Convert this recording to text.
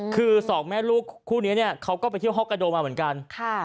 คือสองแม่ลูกคู่นี้เนี่ยเขาก็ไปเที่ยวฮอกกระโดมาเหมือนกัน